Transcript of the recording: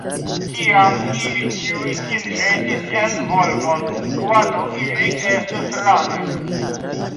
Tiam ili ĉiuj sin ĵetis en Volgon, kvazaŭ ili estus ranoj.